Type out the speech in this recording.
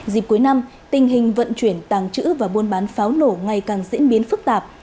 dịp cuối năm tình hình vận chuyển tàng trữ và buôn bán pháo nổ ngày càng diễn biến phức tạp